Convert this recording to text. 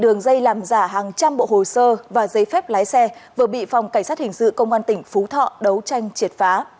đường dây làm giả hàng trăm bộ hồ sơ và giấy phép lái xe vừa bị phòng cảnh sát hình sự công an tỉnh phú thọ đấu tranh triệt phá